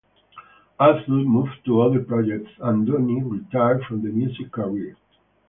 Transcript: Arthur moved to other projects and Donnie retired from the music career.